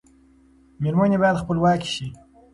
میرمنې باید خپلواکې شي.